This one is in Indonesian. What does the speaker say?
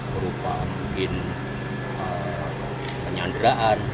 berupa mungkin penyanderaan